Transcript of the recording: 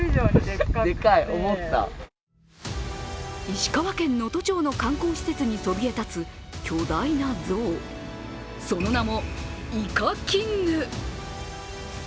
石川県能登町の観光施設にそびえ立つ、巨大な像、その名も、イカキング。